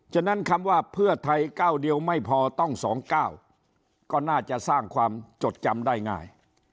ฉะนั้นคำว่าเพื่อไทยก้าวเดียวไม่พอต้อง๒๙ก็น่าจะสร้างความจดจำได้ง่าย